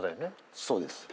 そうです。